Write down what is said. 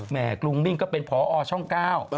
กรุงมิ่งก็เป็นพอช่องเก้า